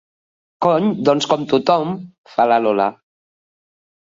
Cony, doncs com tothom, fa la Lola.